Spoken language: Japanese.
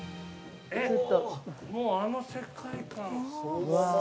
もうあの世界観。